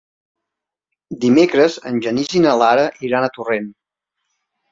Dimecres en Genís i na Lara iran a Torrent.